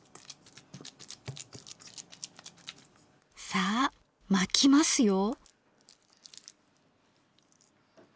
さあ巻きますよ。